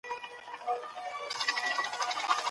ویلمسن د پرمختیا په اړه خبرې وکړې.